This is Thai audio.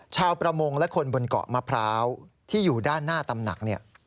ชาวประมงและคนบนเกาะมะพร้าวที่อยู่ด้านหน้าตำหนักเนี่ย